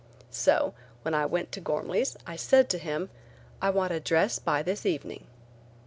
So, when I went to Ghormley's, I said to him: "I want a dress by this evening."